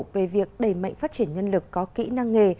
về việc đẩy mạnh phát triển nhân lực có kỹ năng nghề